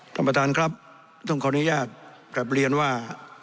ท่านประธานครับต้องขออนุญาตกลับเรียนว่า